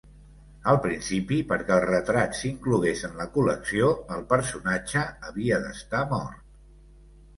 Al principi, perquè el retrat s'inclogués en la col·lecció, el personatge havia d'estar mort.